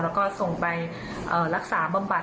แล้วก็ส่งไปรักษาบำบัด